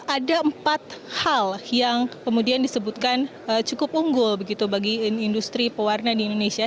ada empat hal yang kemudian disebutkan cukup unggul begitu bagi industri pewarna di indonesia